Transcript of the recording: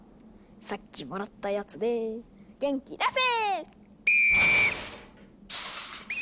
さっきもらったやつで元気出せ！